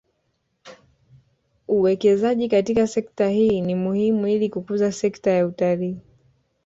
Uwekezaji katika sekta hii ni muhimu ili kukuza sekta ya utalii